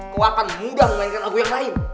aku akan mudah memainkan lagu yang lain